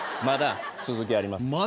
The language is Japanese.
まだ続きあります。